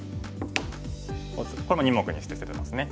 これも２目にして捨ててますね。